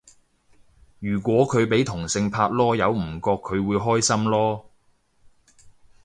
如果佢俾同性拍籮柚唔覺佢會開心囉